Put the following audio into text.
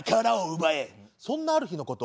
そんなある日のこと。